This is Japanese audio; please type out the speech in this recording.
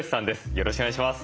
よろしくお願いします。